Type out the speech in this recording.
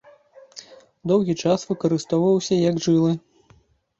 Доўгі час выкарыстоўваўся як жылы.